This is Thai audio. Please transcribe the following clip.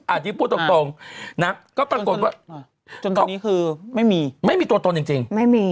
อาจที่พูดตรงก็ปรากฏว่าไม่มีตัวตนจริง